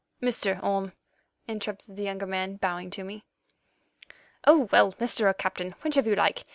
"Mr. Orme," interrupted the younger man, bowing to me. "Oh, well, Mr. or Captain, whichever you like.